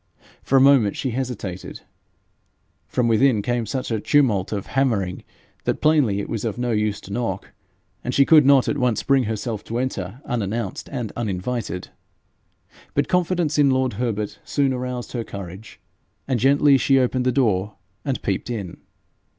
For a moment she hesitated: from within came such a tumult of hammering, that plainly it was of no use to knock, and she could not at once bring herself to enter unannounced and uninvited. But confidence in lord Herbert soon aroused her courage, and gently she opened the door and peeped in.